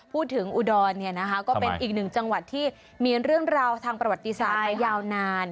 อุดรก็เป็นอีกหนึ่งจังหวัดที่มีเรื่องราวทางประวัติศาสตร์มายาวนาน